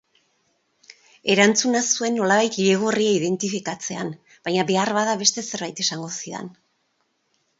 Erantzuna zuen nolabait ilegorria identifikatzean, baina beharbada beste zerbait esango zidan.